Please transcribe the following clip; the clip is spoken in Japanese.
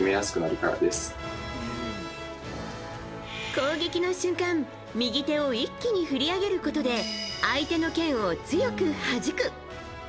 攻撃の瞬間右手を一気に振り上げることで相手の剣を強くはじく。